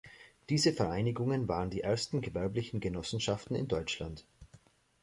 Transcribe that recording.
Diese Vereinigungen waren die ersten gewerblichen Genossenschaften in Deutschland.